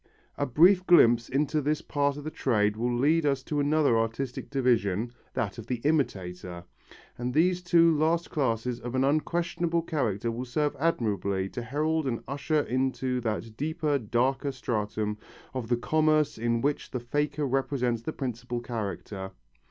A brief glimpse into this part of the trade will lead us to another artistic division, that of the imitator, and these two last classes of an unquestionable character will serve admirably to herald and usher into that deeper, darker stratum of the commerce in which the faker represents the principal character.